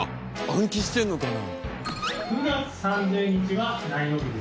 暗記してるのかな？